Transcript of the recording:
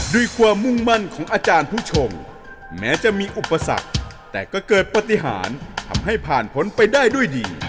ด้วยความมุ่งมั่นของอาจารย์ผู้ชมแม้จะมีอุปสรรคแต่ก็เกิดปฏิหารทำให้ผ่านพ้นไปได้ด้วยดี